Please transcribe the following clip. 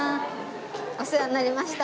お世話になりました。